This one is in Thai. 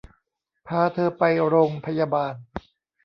พาเธอไปโรงพยาบาล